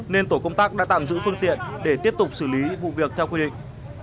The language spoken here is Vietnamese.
nên tổ công tác đã tạm giữ phương tiện để tiếp tục xử lý vụ việc theo quy định